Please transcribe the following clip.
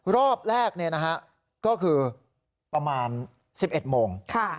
รอบแรกเนี่ยนะฮะก็คือประมาณ๑๑โมง